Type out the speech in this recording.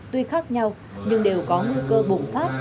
tuy khác nhau nhưng đều có nguy cơ bùng phát